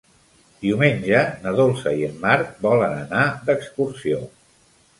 Diumenge na Dolça i en Marc volen anar d'excursió.